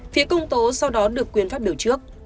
phía công tố sau đó được quyền phát biểu trước